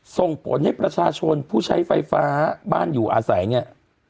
ส่งผลให้ประชาชนผู้ใช้ไฟฟ้าบ้านอยู่อาศัยเนี่ย